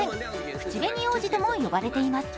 口紅王子とも呼ばれています。